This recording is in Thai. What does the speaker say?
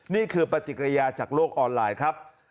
นี่คือปฏิกิริยาจากโลกออนไลน์ครับ